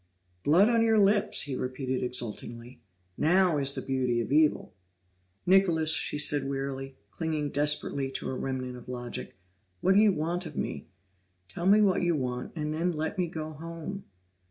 "Blood on your lips!" he repeated exultingly. "Now is the beauty of evil!" "Nicholas," she said wearily, clinging desperately to a remnant of logic, "what do you want of me? Tell me what you want and then let me go home."